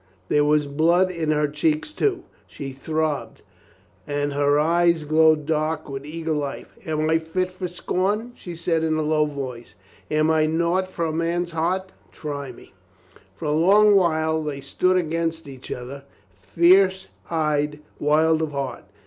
There was blood in her cheeks too. She throbbed and her eyes glowed dark with eager life. "Am I fit for scorn," she said in a low voice, "am I naught for a man's heart? Try me," For a long while they stood against each other, fierce eyed, wild of heart.